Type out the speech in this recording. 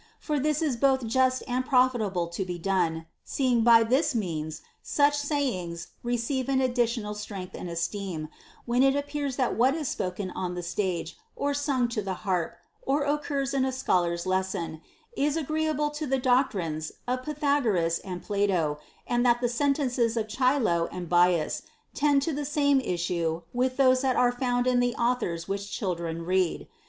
For this is both just and profitable to be done, seeing by this means such sayings receive an additional strength and esteem, when it appears that what is spoken on the stage or sung to the harp or occurs in a scholar's lesson is agreeable to the doctrines of Pythagoras and Plato, and that the sentences of Chilo and Bias tend to the same issue with those that are found in the authors which children read.